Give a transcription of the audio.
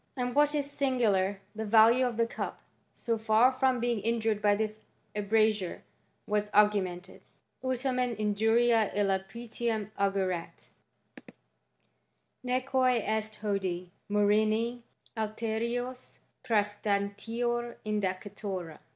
And what is sin^lar, the value of the cup, so far from being injured by tliia abrasure, was augmented :" ut tamen injuria ilia pretium augeret; neque est hodie murrhini alteriua prsstantior indicatura."